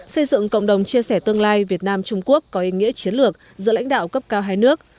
xây dựng cộng đồng chia sẻ tương lai việt nam trung quốc có ý nghĩa chiến lược giữa lãnh đạo cấp cao hai nước